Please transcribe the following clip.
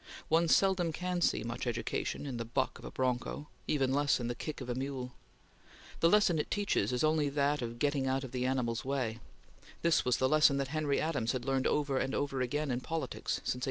One seldom can see much education in the buck of a broncho; even less in the kick of a mule. The lesson it teaches is only that of getting out of the animal's way. This was the lesson that Henry Adams had learned over and over again in politics since 1860.